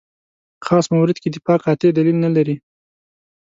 خاص مورد کې دفاع قاطع دلیل نه لري.